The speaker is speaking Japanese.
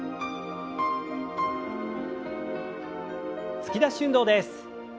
突き出し運動です。